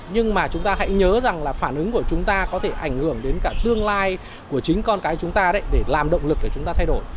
nhưng mà chúng ta hãy nhớ rằng là phản ứng của chúng ta có thể ảnh hưởng đến cả tương lai của chính con cái chúng ta để làm động lực để chúng ta thay đổi